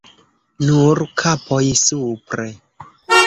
Nur kapoj supre.